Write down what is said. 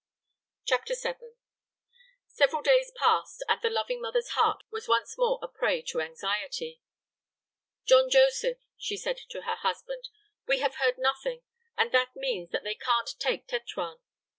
CHAPTER VII. Several days passed, and the loving mother's heart was once more a prey to anxiety. "John Joseph," she said to her husband, "we have heard nothing, and that means that they can't take Tetuan."